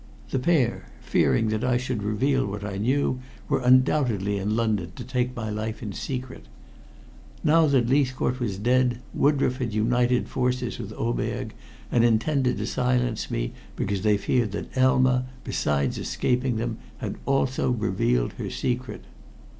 The pair, fearing that I should reveal what I knew, were undoubtedly in London to take my life in secret. Now that Leithcourt was dead, Woodroffe had united forces with Oberg, and intended to silence me because they feared that Elma, besides escaping them, had also revealed her secret.